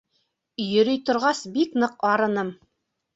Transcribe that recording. Йөрөй торғас, бик ныҡ арыным.